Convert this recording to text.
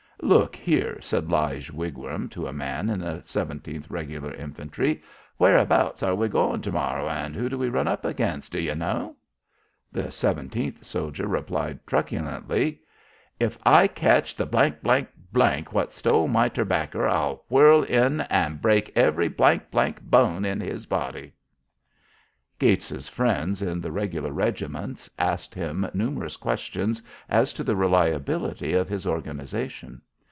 "Look here," said Lige Wigram, to a man in the 17th Regular Infantry, "whereabouts are we goin' ter morrow an' who do we run up against do ye know?" The 17th soldier replied, truculently: "If I ketch th' what stole my terbaccer, I'll whirl in an' break every bone in his body." Gates's friends in the regular regiments asked him numerous questions as to the reliability of his organisation.